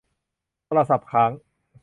โทรศัพท์ค้าง